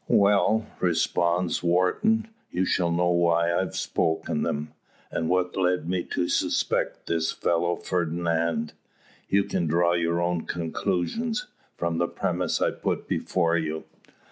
"Well," responds Wharton, "you shall know why I've spoken them, and what's led me to suspect this fellow Fernand. You can draw your own conclusions, from the premises I put before you.